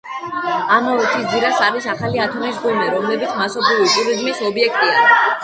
ამავე მთის ძირას არის ახალი ათონის მღვიმე, რომლებიც მასობრივი ტურიზმის ობიექტია.